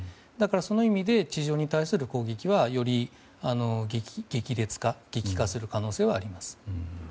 その意味で地上に対する攻撃はより激化する可能性はあります。